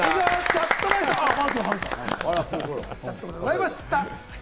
チャットバでございました。